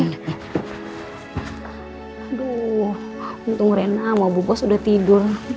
aduh untung rena sama bu bos udah tidur